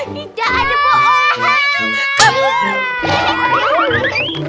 tidak ada bohong